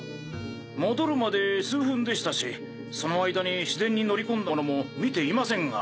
戻るまで数分でしたしその間に市電に乗り込んだ者も見ていませんが。